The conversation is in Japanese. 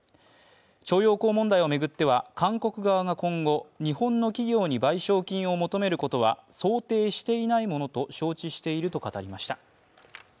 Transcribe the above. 徴用工問題を巡っては韓国側が今後日本の企業に賠償金を求めることは想定していないものと承知していると語りました。